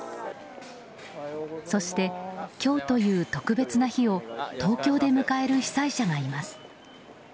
そして今日という特別な日を東京で迎える被災者がいます。